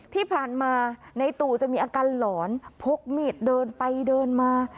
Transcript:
ที่ผ่านมาในตู่จะมีอาการหลอนพกมีดเดินไปเดินมา